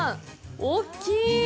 大きい！